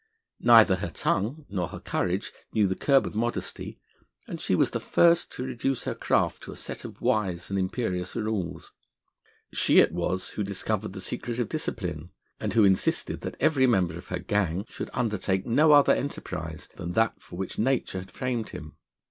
Neither her tongue nor her courage knew the curb of modesty, and she was the first to reduce her craft to a set of wise and imperious rules. She it was who discovered the secret of discipline, and who insisted that every member of her gang should undertake no other enterprise than that for which nature had framed him.